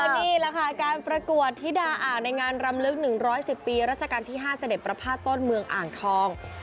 นี่แหละค่ะการประกวดธิดาอ่างในงานรำลึก๑๑๐ปีรัชกาลที่๕เสด็จประพาทต้นเมืองอ่างทอง